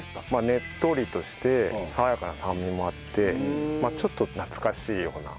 ねっとりとして爽やかな酸味もあってちょっと懐かしいような。